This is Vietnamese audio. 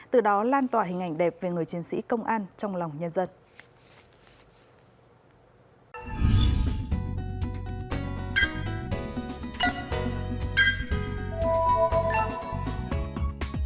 từ đó lan tỏa hình ảnh đẹp về người chiến sĩ công an trong lòng nhân dân